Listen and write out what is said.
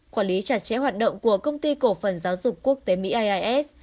quản lý chặt chẽ hoạt động của công ty cổ phần giáo dục quốc tế mỹ ais